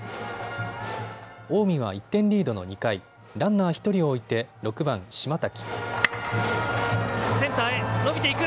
近江は１点リードの２回、ランナー１人を置いて６番・島瀧。